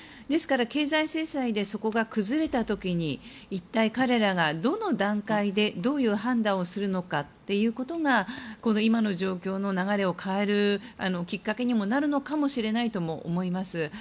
ですから、経済制裁でそこが崩れた時に一体彼らがどの段階でどういう判断をするのかが今の状況の流れを変えるきっかけにもなるのかもしれないとも思います。